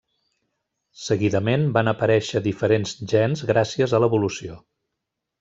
Seguidament, van aparèixer diferents gens gràcies a l'evolució.